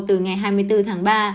từ ngày hai mươi bốn tháng ba